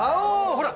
ほら。